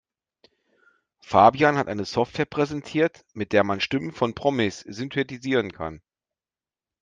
Fabian hat eine Software präsentiert, mit der man Stimmen von Promis synthetisieren kann.